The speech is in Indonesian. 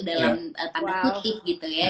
dalam tanda kutip gitu ya